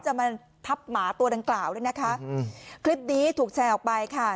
จะมาทับหมาตัวดังกล่าวด้วยนะคะอืมคลิปนี้ถูกแชร์ออกไปค่ะ